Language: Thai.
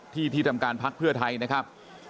ที่ที่ทำการพักเพื่อไทยนะครับ